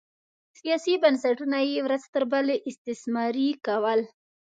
سیاسي بنسټونه یې ورځ تر بلې استثماري کول